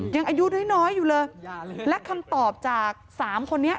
ยังอายุน้อยน้อยอยู่เลยและคำตอบจากสามคนนี้